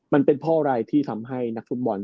มันเป็นเพราะอะไรที่ทำให้นักฟุตบอล